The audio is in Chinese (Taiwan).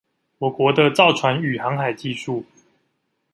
我國的造船與航海技術